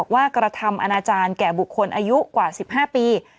กระทำอนาจารย์แก่บุคคลอายุกว่า๑๕ปี